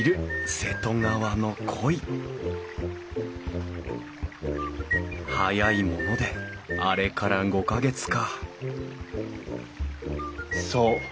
瀬戸川のこい早いものであれから５か月かそう。